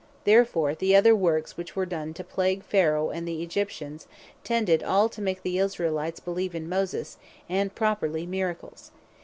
Therefore the other works which were done to plague Pharaoh and the Egyptians, tended all to make the Israelites beleeve in Moses, and were properly Miracles.